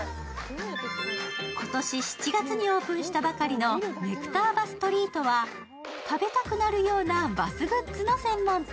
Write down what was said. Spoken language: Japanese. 今年７月にオープンしたばかりのネクター・バス・トリートは食べたくなるようなバスグッズの専門店。